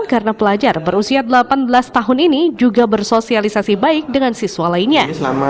karena pelajar berusia delapan belas tahun ini juga bersosialisasi baik dengan siswa lainnya